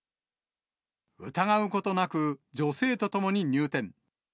疑うことなく、女性と共に入店。